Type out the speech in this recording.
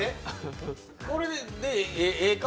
これでええか？